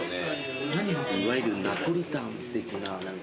いわゆるナポリタン的な何か。